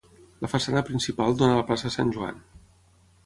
La façana principal dóna a la Plaça Sant Joan.